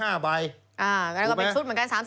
อ่าแล้วก็เป็นชุดเหมือนกัน๓๐ล้าน